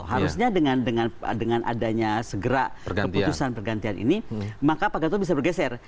harusnya dengan adanya segera keputusan pergantian ini maka pak gatot bisa bergeser